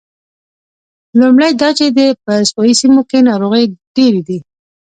لومړی دا چې په استوایي سیمو کې ناروغۍ ډېرې دي.